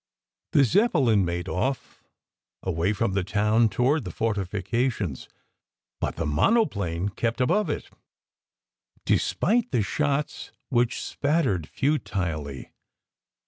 The Zeppelin made off, away from the town toward the fortifications, but the monoplane kept above it, despite the shots which spattered futilely.